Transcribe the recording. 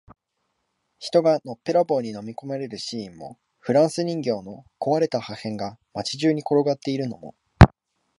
人がのっぺらぼうに飲み込まれるシーンも、フランス人形の壊れた破片が街中に転がっているのも、